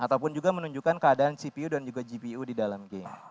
ataupun juga menunjukkan keadaan cpu dan juga gpu di dalam game